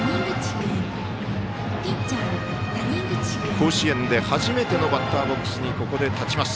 甲子園で初めてのバッターボックスにここで立ちます。